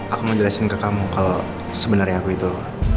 aku mau jelasin ke kamu kalo sebenernya aku itu